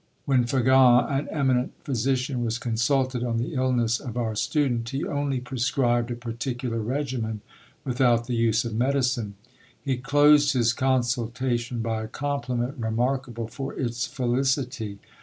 When Fagon, an eminent physician, was consulted on the illness of our student, he only prescribed a particular regimen, without the use of medicine. He closed his consultation by a compliment remarkable for its felicity.